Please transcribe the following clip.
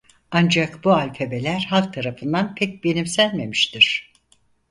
Ancak bu alfabeler halk tarafından pek benimsenmemiştir.